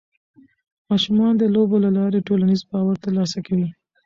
ماشومان د لوبو له لارې ټولنیز باور ترلاسه کوي.